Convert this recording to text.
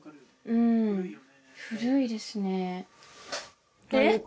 うん古いですねえっ？